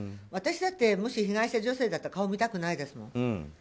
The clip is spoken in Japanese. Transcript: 私だってもし被害者女性だったら顔見たくないですもん。